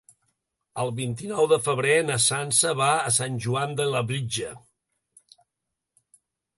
El vint-i-nou de febrer na Sança va a Sant Joan de Labritja.